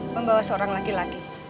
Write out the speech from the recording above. membawa seorang laki laki